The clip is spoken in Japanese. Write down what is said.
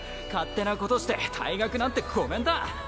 勝手なことして退学なんてごめんだ！